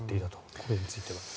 これについては。